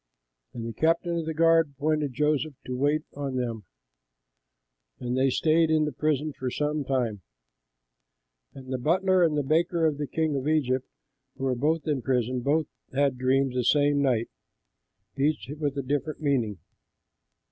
And the captain of the guard appointed Joseph to wait on them; and they stayed in prison for some time. And the butler and the baker of the king of Egypt, who were in the prison, both had dreams the same night, each with a different meaning.